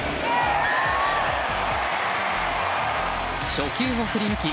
初球を振りぬき